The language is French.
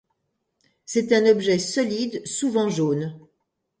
C'est un objet solide, souvent jaune.